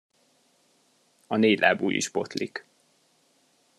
A négylábú is botlik.